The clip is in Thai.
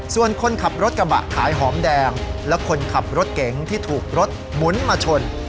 ส่วนคนขับรถกระบะขายหอมแดงและคนขับรถเก๋งที่ถูกรถหมุนมาชน